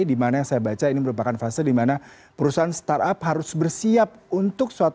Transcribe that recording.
dimana yang saya baca ini merupakan fase dimana perusahaan startup harus bersiap untuk suatu saat lain